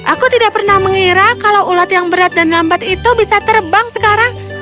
aku tidak pernah mengira kalau ulat yang berat dan lambat itu bisa terbang sekarang